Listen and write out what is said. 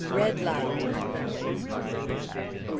RED LIGHT. Mr.